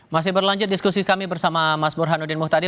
masih berlanjut diskusi kami bersama mas burhan udin muhtari